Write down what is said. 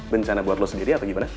bencana buat lo sendiri atau gimana